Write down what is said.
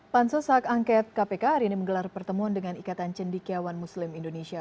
pansus hak angket kpk hari ini menggelar pertemuan dengan ikatan cendikiawan muslim indonesia